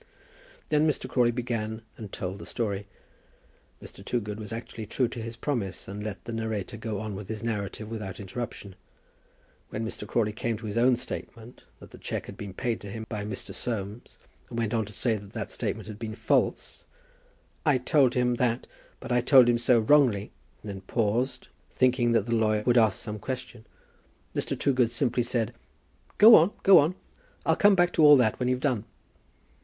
Then Mr. Crawley began and told the story. Mr. Toogood was actually true to his promise and let the narrator go on with his narrative without interruption. When Mr. Crawley came to his own statement that the cheque had been paid to him by Mr. Soames, and went on to say that that statement had been false, "I told him that, but I told him so wrongly," and then paused, thinking that the lawyer would ask some question, Mr. Toogood simply said, "Go on; go on. I'll come back to all that when you've done."